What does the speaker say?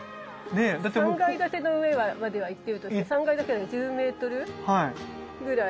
３階建ての上まではいってるとして３階建てだから１０メートルぐらい。